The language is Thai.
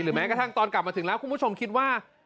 แม้กระทั่งตอนกลับมาถึงแล้วคุณผู้ชมคิดว่า